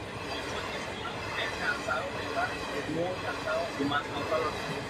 Verticalmente, se estrecha en lo alto como una lágrima.